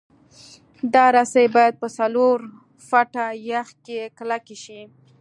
دا رسۍ باید په څلور فټه یخ کې کلکې شي